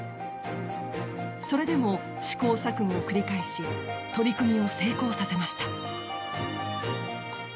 それでも試行錯誤を繰り返し取り組みを成功させました。